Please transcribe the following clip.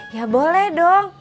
ya boleh dong